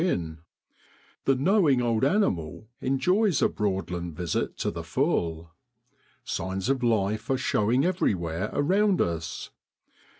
inn: the knowing old animal enjoys a Broadland visit to the full. Signs of life are showing everywhere around us.